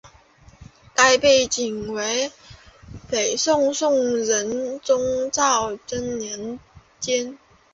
该片背景为北宋宋仁宗赵祯年间。